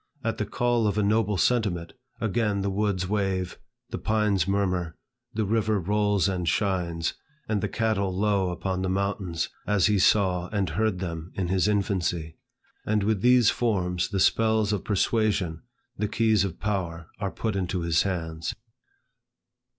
At the call of a noble sentiment, again the woods wave, the pines murmur, the river rolls and shines, and the cattle low upon the mountains, as he saw and heard them in his infancy. And with these forms, the spells of persuasion, the keys of power are put into his hands.